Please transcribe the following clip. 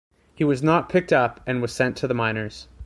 He was not picked up and was sent to the minors.